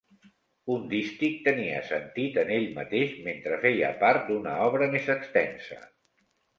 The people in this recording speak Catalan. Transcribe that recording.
Un dístic tenia sentit en ell mateix mentre feia part d'una obra més extensa.